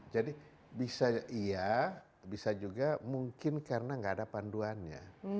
jadi bisa iya bisa juga mungkin karena gak ada panduannya